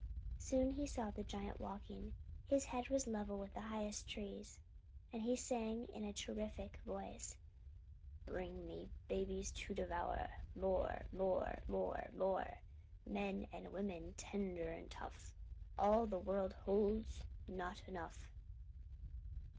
Soon he saw the giant walking. His head was level with the highest trees, and he sang in a terrific voice "Bring me babies to devour; More more more more Men and women, tender and tough; All the world holds not enough."